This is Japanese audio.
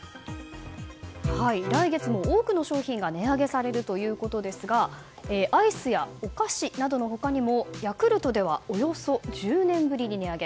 来月も多くの商品が値上げされるということですがアイスやお菓子などの他にもヤクルトではおよそ１０年ぶりに値上げ。